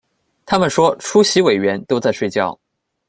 他们说出席委员都在睡觉